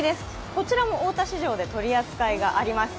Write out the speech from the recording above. こちらも大田市場で取り扱いがあります。